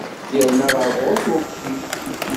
Yerna ɣer ɣur-s uqcic.